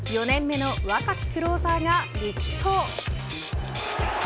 ４年目の若きクローザーが力投。